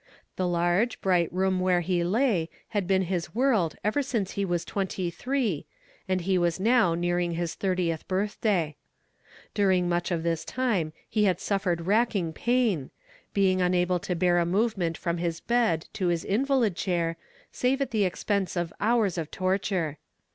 The large, bright room where he lay had been his world ever since he was twenty three, and he was now nearing his thirtieth birthday. During nuich of tliis thne he had suffered racking pain, being un able to bear a movement from his bed to his inva lid chair save at the expense of houi s of torture.